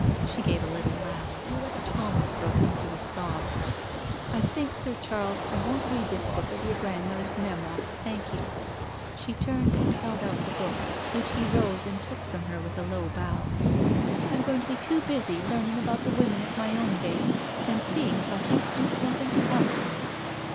She gave a little laugh, which almost broke into a sob. " I think, Sir Charles, I won't read this book of your grandmother's • Memoirs,' thank you," She turned ^nd beW out the BRACKENHILL HALL 53 book, which he rose and took from her with a low bow. " I am going to be too busy learning about the women of my own day, and seeing if I can't do some thing to help them.